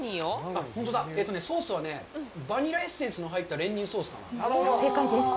本当だ、ソースはね、バニラエッセンスの入った練乳ソースです。